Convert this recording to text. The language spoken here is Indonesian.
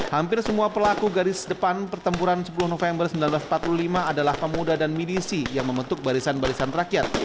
hampir semua pelaku garis depan pertempuran sepuluh november seribu sembilan ratus empat puluh lima adalah pemuda dan midisi yang membentuk barisan barisan rakyat